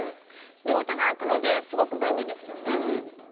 両手が空くのですごく便利ですよね。